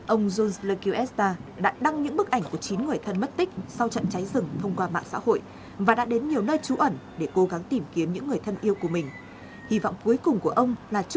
ông jones lequesda đã đăng những bức ảnh của chín người thân mất tích sau trận cháy rừng thông qua mạng xã hội và đã đến nhiều nơi trú ẩn